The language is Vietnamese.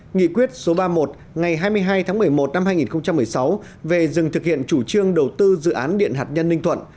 nghị quyết số ba mươi một ngày hai mươi hai tháng một mươi một năm hai nghìn một mươi sáu về dừng thực hiện chủ trương đầu tư dự án điện hạt nhân ninh thuận